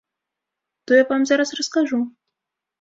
То я вам зараз раскажу.